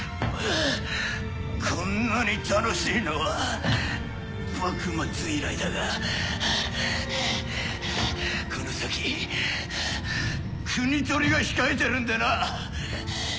こんなに楽しいのは幕末以来だがこの先国盗りが控えてるんでな。